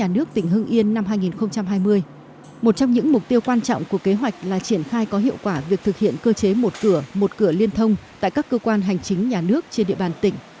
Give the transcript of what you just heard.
một trong những mục tiêu quan trọng của kế hoạch là triển khai có hiệu quả việc thực hiện cơ chế một cửa một cửa liên thông tại các cơ quan hành chính nhà nước trên địa bàn tỉnh